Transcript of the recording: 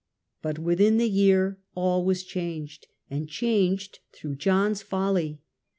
But within the year all was changed, and changed through John's folly.